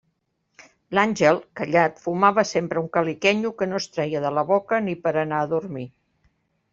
L'Àngel, callat, fumava sempre un caliquenyo que no es treia de la boca ni per a anar a dormir.